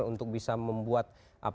untuk bisa membuat